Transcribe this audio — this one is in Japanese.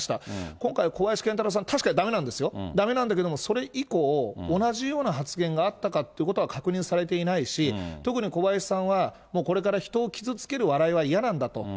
今回、小林賢太郎さんは確かにだめなんですよ、だめなんだけども、それ以降、同じような発言があったかってことは確認されていないし、特に小林さんは、これから人を傷つける笑いは嫌なんだと。